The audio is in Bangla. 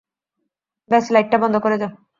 ব্যস লাইটটা বন্ধ করে যেও।